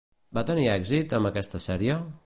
Va tenir èxit amb aquesta sèrie?